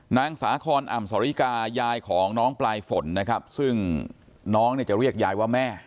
นางสาคอนอ่ำสริกายายของน้องปลายฝนนะครับซึ่งน้องเนี่ยจะเรียกยายว่าแม่